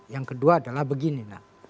yang kedua adalah begini